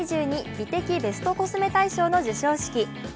美的ベストコスメ大賞の授賞式。